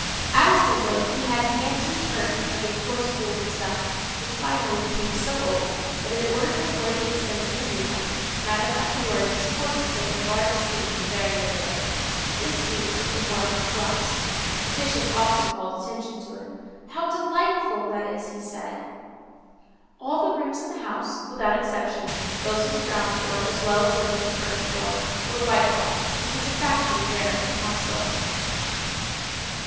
At his window he had an antique curtain of a coarse woollen stuff, which finally became so old, that, in order to avoid the expense of a new one, Madame Magloire was forced to take a large seam in the very middle of it. This seam took the form of a cross. The Bishop often called attention to it: "How delightful that is!" he said. All the rooms in the house, without exception, those on the ground floor as well as those on the first floor, were white washed, which is a fashion in barracks and hospitals.